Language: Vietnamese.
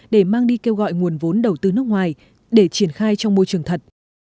để mang đi kêu gọi nguồn vốn đầu tư nước ngoài để triển khai trong môi trường thật